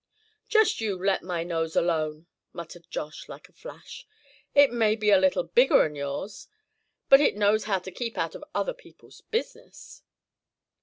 "Just you let my nose alone," muttered Josh, like a flash, "it may be a little bigger'n yours, but it knows how to keep out of other people's business."